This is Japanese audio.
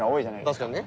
確かにね。